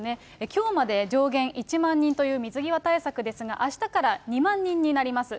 きょうまで上限１万人という水際対策ですが、あしたから２万人になります。